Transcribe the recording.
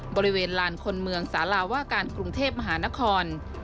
บริเวณลานคนเมืองสาราว่าการกรุงเทพมหานคร